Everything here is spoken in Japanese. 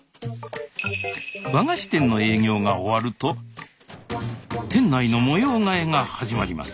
和菓子店の営業が終わると店内の模様替えが始まります